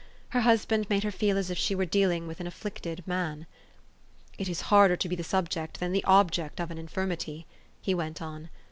Her husband made her feel as if she were dealing with an afflicted man. "It is harder to be subject than the object of an infirmity," he went on.